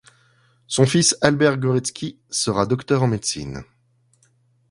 Son fils Albert Gorecki sera docteur en médecine.